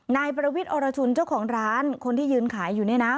นายประวิทย์อรชุนเจ้าของร้านคนที่ยืนขายอยู่เนี่ยนะ